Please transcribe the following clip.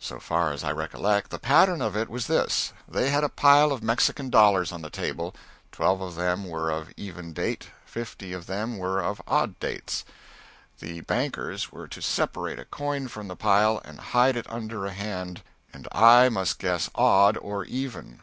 So far as I recollect, the pattern of it was this: they had a pile of Mexican dollars on the table; twelve of them were of even date, fifty of them were of odd dates. The bankers were to separate a coin from the pile and hide it under a hand, and I must guess "odd" or "even."